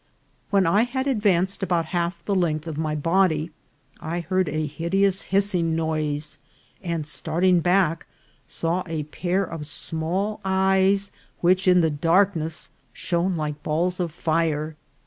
When I had advanced about half the length of my body, I heard a hideous hissing noise, and starting back, saw a pair of small eyes, which in the darkness shone like balls of fire.